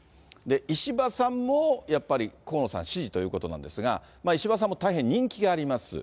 石破さんもやっぱり河野さん支持ということなんですが、石破さんも大変人気があります。